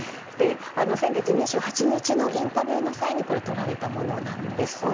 先月２８日のインタビューの際に撮られたものなんです。